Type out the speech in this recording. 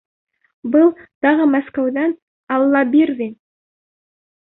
Был тағы Мәскәүҙән, Аллабирҙин.